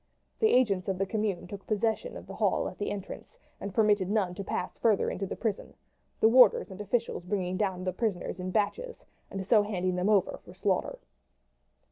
The agents of the Commune took possession of the hall at the entrance and permitted none to pass farther into the prison, the warders and officials bringing down the prisoners in batches, and so handing them over for slaughter.